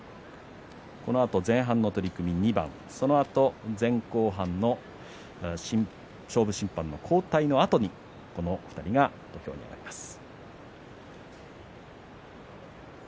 このあと前半の取組２番、そのあとは前後半の勝負審判の交代のあとにこの２人が土俵に上がります。